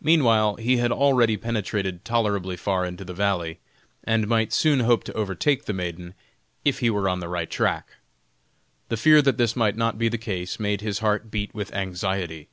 Meanwhile he had already penetrated tolerably far into the valley, and might soon hope to overtake the maiden, if he were on the right track. The fear that this might not be the case made his heart beat with anxiety.